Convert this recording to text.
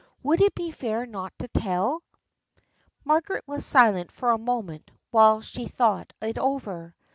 Would it be fair not to tell ?" Margaret was silent for a moment while she thought it over.